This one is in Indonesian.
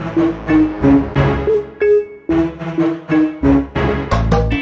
anthony sudah kembali dengan anak anak perhati